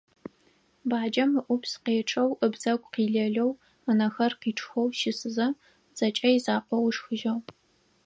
Баджэм ыӀупс къечъэу ыбзэгу къилэлэу, ынэхэр къичъхэу щысызэ, зэкӀэ изакъоу ышхыжьыгъ.